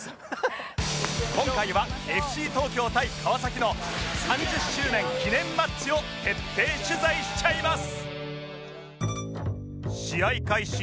今回は ＦＣ 東京対川崎の３０周年記念マッチを徹底取材しちゃいます！